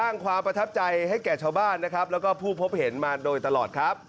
ความประทับใจให้แก่ชาวบ้านนะครับแล้วก็ผู้พบเห็นมาโดยตลอดครับ